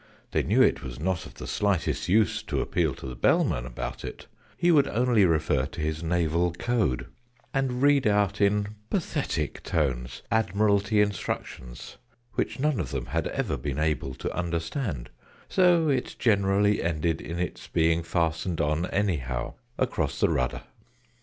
They knew it was not of the slightest use to appeal to the Bellman about it he would only refer to his Naval Code, and read out in pathetic tones Admiralty Instructions which none of them had ever been able to understand so it generally ended in its being fastened on, anyhow, across the rudder.